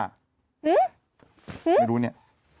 ไม่รู้เนี่ย